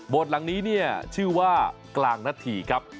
โบสถ์หลังนี้ชื่อว่ากลางนัทฐีครับ